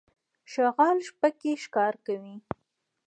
شغال شپه کې ښکار کوي.